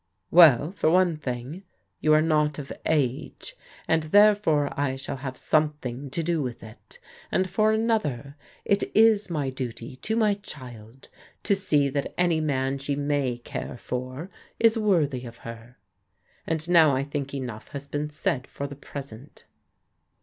"" Well, for one thing, you are not of age, and there fore I shall have something to do with it, and for an other, it is my duty to my child to see that any man she may care for is worthy of her. And now I think enough has been said for the present."